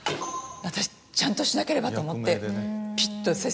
私ちゃんとしなければと思って。